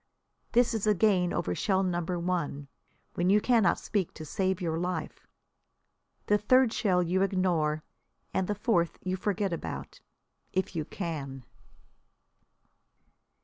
This is a gain over shell number one, when you cannot speak to save your life. The third shell you ignore, and the fourth you forget about if you can.